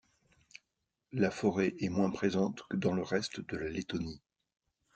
La forêt est moins présente que dans le reste de la Lettonie.